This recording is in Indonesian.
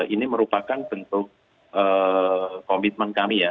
ini merupakan bentuk komitmen kami ya